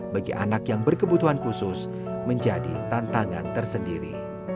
bagi anak yang berkebutuhan khusus menjadi tantangan tersendiri